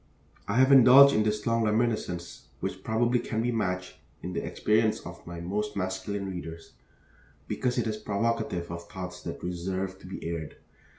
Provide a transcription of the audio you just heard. I have indulged in this long reminiscence, which probably can be matched in the experience of most of my masculine readers, because it is provocative of thoughts that deserve to be aired.